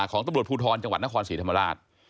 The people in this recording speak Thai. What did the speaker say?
ของตำรวจภูทรจังหวัดนครศรีธรรมราช